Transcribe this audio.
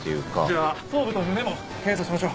じゃあ頭部と胸も検査しましょう。